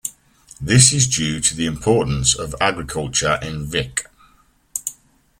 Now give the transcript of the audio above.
This is due to the importance of agriculture in Vik.